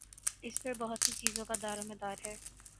اس پر بہت سی چیزوں کا دارومدار ہے۔